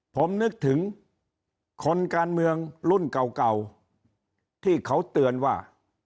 ผมนึกถึงคนการเมืองรุ่นเก่าที่เขาเตือนว่า